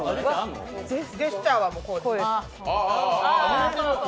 ジェスチャーはこうです。